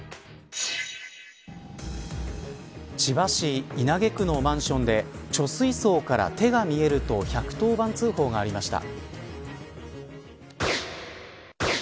千葉市稲毛区のマンションで貯水槽から手が見えると１１０番通報がありました。